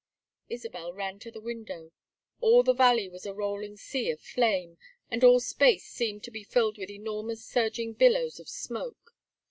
Isabel ran to the window. All the valley was a rolling sea of flame, and all space seemed to be filled with enormous surging billows of smoke.